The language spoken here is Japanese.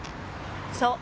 そう。